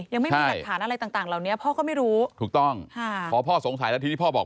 ยังไม่มีหลักฐานอะไรต่างเหล่านี้พ่อก็ไม่รู้ถูกต้องค่ะพอพ่อสงสัยแล้วทีนี้พ่อบอก